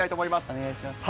お願いします。